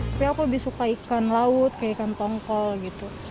tapi aku lebih suka ikan laut kayak ikan tongkol gitu